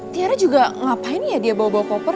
tiara juga ngapain ya dia bawa bawa koper